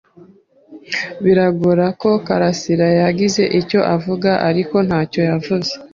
Biragaragara ko karasira yagize icyo avuga, ariko ntacyo yavuze.